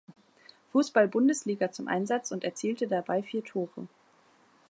Fußball-Bundesliga zum Einsatz und erzielte dabei vier Tore.